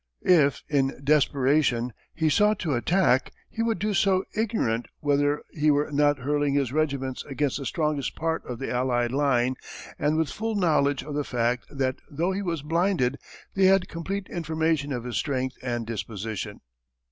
If in desperation he sought to attack he would do so ignorant whether he were not hurling his regiments against the strongest part of the Allied line, and with full knowledge of the fact that though he was blinded they had complete information of his strength and dispositions.